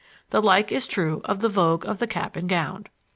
The like is true of the vogue of the cap and gown.